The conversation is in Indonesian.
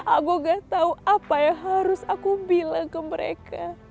aku gak tau apa yang harus aku bilang ke mereka